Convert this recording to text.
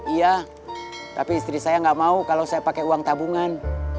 iya tapi istri saya nggak mau kalau saya pakai uang tabungan